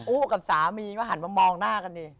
กับสามีก็หันมามองหน้ากันดิ